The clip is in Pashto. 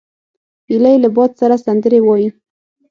هیلۍ له باد سره سندرې وايي